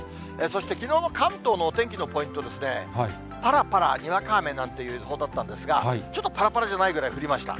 そして、きのうの関東のお天気のポイント、ぱらぱらにわか雨なんていう予報だったんですが、ちょっとぱらぱらじゃないぐらい降りました。